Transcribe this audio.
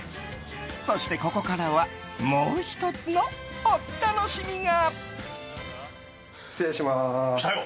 そしてここからはもう１つのお楽しみが。